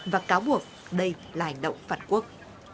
và cáo buộc đây là hành động phạt quốc